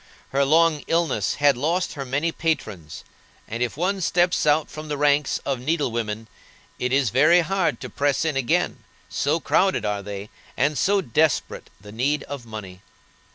Her long illness had lost her many patrons, and if one steps out from the ranks of needle women, it is very hard to press in again, so crowded are they, and so desperate the need of money.